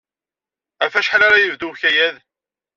Ɣef wacḥal ara yebdu ukayad?